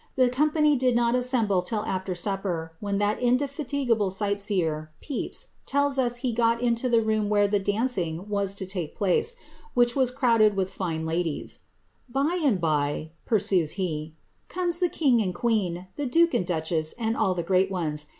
The company did not assemble till after supper, hat indefatigable sight seer, Pepys, tells us he got into the room the dancing was to take place, which was crowded with fine ^By and by," pursues he, ^ comes the king and queen, the nd duchess, and all the grreat ones.